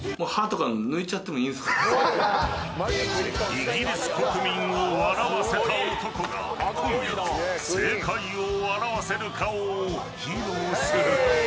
イギリス国民を笑わせた男が今夜世界を笑わせる顔を披露する。